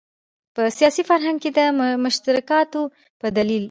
په سیاسي فرهنګ کې د مشترکاتو په دلیل.